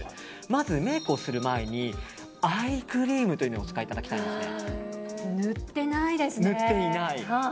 まずメイクをする前にアイクリームというのをお使いいただきたいです。